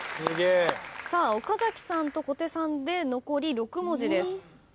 岡崎さんと小手さんで残り６文字です。